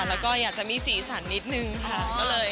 แล้วก็อยากจะมีสีสันนิดนึงค่ะ